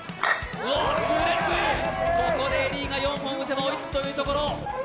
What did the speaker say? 痛烈、ここでＥＬＬＹが４本打てば追いつくというところ。